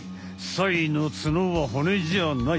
サイの角は骨じゃない！